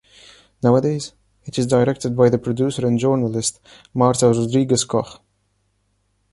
Nowadays, it is directed by the producer and journalist Marta Rodríguez Koch.